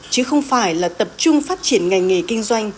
chứ không phải là tập trung phát triển ngành nghề kinh doanh